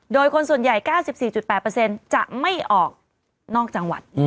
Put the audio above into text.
โดยคนส่วนใหญ่๙๔๘จะไม่ออกนอกจังหวัด